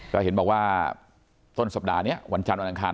ก็เห็นบอกว่าต้นสัปดาห์นี้วันจันทร์วันอังคาร